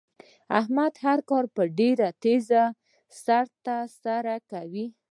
احمد هر کار په ډېرې تېزۍ سره تر سره کوي.